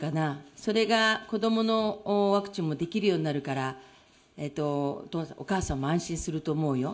それが子どものワクチンもできるようになるから、お母さんも安心すると思うよ。